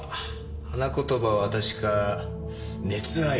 花言葉は確か「熱愛」。